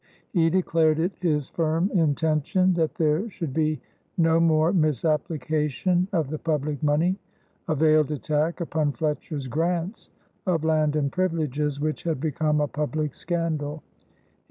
He declared it his firm intention that there should be no more misapplication of the public money, a veiled attack upon Fletcher's grants of land and privileges which had become a public scandal.